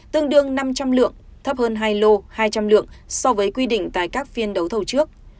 tương đương năm trăm linh lượng thấp hơn hai lô hai trăm linh lượng so với quy định tại các phiên đấu thầu trước